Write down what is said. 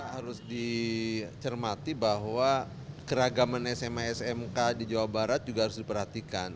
harus dicermati bahwa keragaman sma smk di jawa barat juga harus diperhatikan